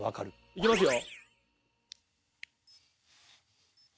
いきますよ。